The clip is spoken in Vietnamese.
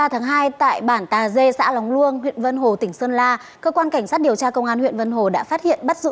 huyện vân hồ tỉnh sơn la cơ quan cảnh sát điều tra công an huyện vân hồ đã phát hiện bắt giữ